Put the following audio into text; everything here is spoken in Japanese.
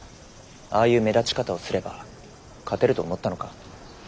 ああいう目立ち方をすれば勝てると思ったのか？